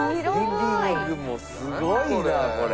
リビングもすごいなこれ。